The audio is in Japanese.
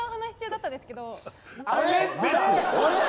あれ！？